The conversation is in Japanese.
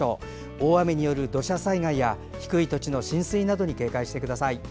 大雨による土砂災害や低い土地の浸水などに警戒してください。